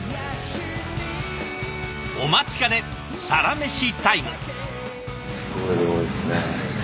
お待ちかねサラメシタイム。